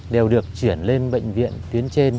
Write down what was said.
đều được chuyển lên bệnh viện tuyến trên